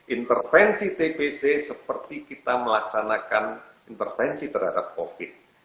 intervensi tbc seperti kita melaksanakan intervensi terhadap covid sembilan belas